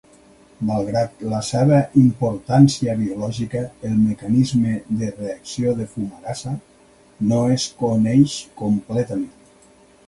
Malgrat la seva importància biològica, el mecanisme de reacció de fumarasa no es coneix completament.